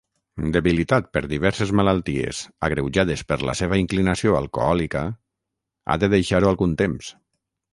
Debilitat per diverses malalties agreujades per la seva inclinació alcohòlica, ha de deixar-ho algun temps.